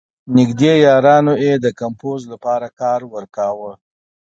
نېږدې یارانو یې د کمپوز لپاره کار ورکاوه.